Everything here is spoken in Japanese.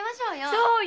そうよ